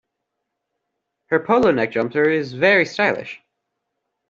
Her polo neck jumper is very stylish